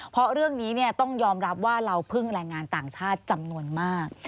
เพราะเรื่องนี้ต้องยอมรับว่าเราพึ่งแรงงานต่างชาติจำนวนมาก